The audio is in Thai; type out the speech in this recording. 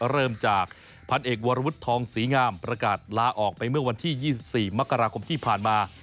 เริ่มจากพันเอกวรวุฒิทองศรีงามประกาศลาออกไปเมื่อวันที่๒๔มกราคมที่ผ่านมา